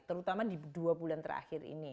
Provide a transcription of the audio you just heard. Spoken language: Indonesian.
terutama di dua bulan terakhir ini